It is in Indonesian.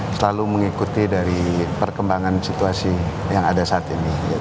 selalu mengikuti dari perkembangan situasi yang ada saat ini